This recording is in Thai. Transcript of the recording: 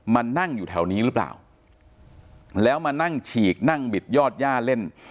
มานั่งอยู่แถวนี้หรือเปล่าแล้วมานั่งฉีกนั่งบิดยอดย่าเล่น